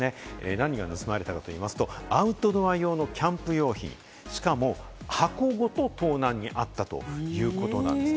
何が盗まれたのかといいますと、アウトドア用のキャンプ用品、しかも箱ごと盗難に遭ったということなんですね。